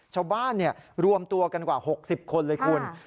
ชาวบ้านรวมตัวกันกว่า๖๐คนเลยคุณ